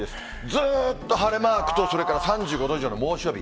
ずっと晴れマークとそれから３５度以上の猛暑日。